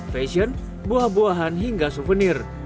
fashion buah buahan hingga souvenir